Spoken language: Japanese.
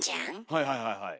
はいはいはいはい。